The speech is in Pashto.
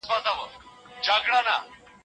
جغرافيه په ځينو ځايونو کي ټولنيز علم ګڼل کيږي.